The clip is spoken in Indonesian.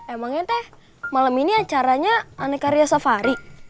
emangnya teh malam ini acaranya aneka ria safari